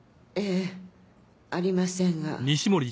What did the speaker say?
えぇありませんが。